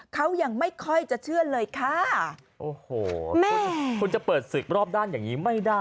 เขายังไม่ค่อยจะเชื่อเลยค่ะโอ้โหคุณคุณจะเปิดศึกรอบด้านอย่างนี้ไม่ได้